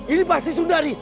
ini pasti sundari